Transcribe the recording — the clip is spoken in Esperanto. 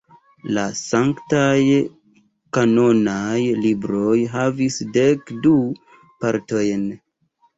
La sanktaj kanonaj libroj havis dek du partojn.